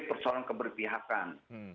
ini persoalan keberpihakan